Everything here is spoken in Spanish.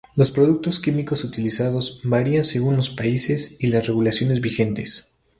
Los productos químicos utilizados varían según los países y las regulaciones vigentes.